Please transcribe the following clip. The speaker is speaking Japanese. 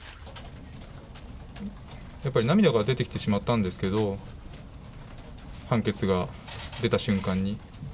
やっぱり涙が出てきてしまったんですけど、判決が出た瞬間に。